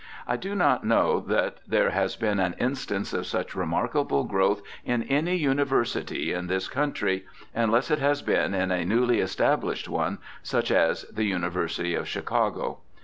I do not know that there has been an instance of such remark able growth in any University in this countr}', unless it has been in a newly established one, such as the Uni versity of Chicago.